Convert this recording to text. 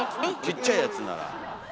ちっちゃいやつなら。